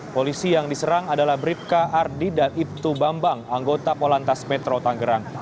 polisi yang diserang adalah bribka ardi dan ibtu bambang anggota polantas metro tanggerang